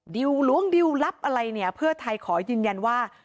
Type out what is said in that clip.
ดิวล้วงดิวลับอะไรเนี่ยเพื่อไทยขอยืนยันว่า